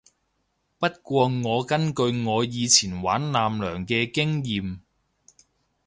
不過我根據我以前玩艦娘嘅經驗